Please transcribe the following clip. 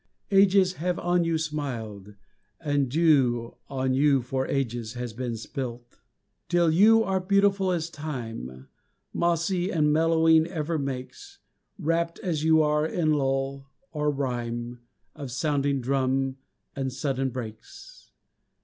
Ages have on you smiled and dew On you for ages has been spilt Till you are beautiful as Time Mossy and mellowing ever makes: Wrapped as you are in lull or rhyme Of sounding drum that sudden breaks.